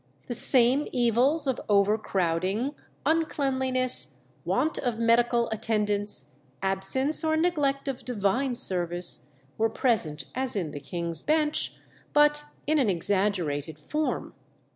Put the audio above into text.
The same evils of overcrowding, uncleanliness, want of medical attendance, absence or neglect of divine service, were present as in the King's Bench, but in an exaggerated form.